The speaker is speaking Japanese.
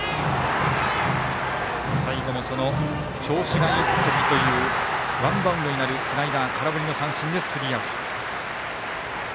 最後に調子がいいときというワンバウンドになるスライダー空振り三振でスリーアウト。